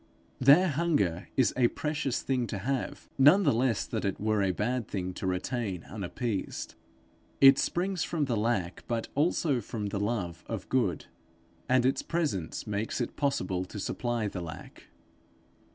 Their hunger is a precious thing to have, none the less that it were a bad thing to retain unappeased. It springs from the lack but also from the love of good, and its presence makes it possible to supply the lack.